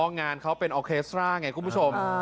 งานเขาเป็นออเคสตราไงคุณผู้ชม